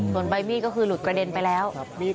ส่วนใบมีดก็คือหลุดกระเด็นไปแล้ว